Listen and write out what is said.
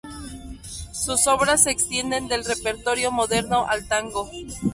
Sus obras se extienden del repertorio moderno al tango.